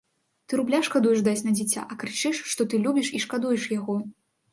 Ты рубля шкадуеш даць на дзіця, а крычыш, што ты любіш і шкадуеш яго.